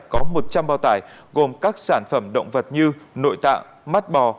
có một trăm linh bao tải gồm các sản phẩm động vật như nội tạng mắt bò